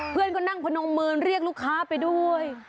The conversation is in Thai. เพื่อนก็นั่งพนมมือเรียกลูกค้าไปด้วย